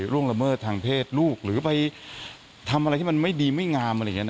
ล่วงละเมิดทางเพศลูกหรือไปทำอะไรที่มันไม่ดีไม่งาม